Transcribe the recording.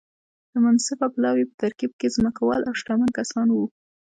د منصفه پلاوي په ترکیب کې ځمکوال او شتمن کسان وو.